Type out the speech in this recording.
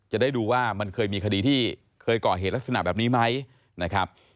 จะได้ดูว่ามันเคยมีคดีที่เคยก่อเหตุลักษณะแบบนี้ไหมนะครับ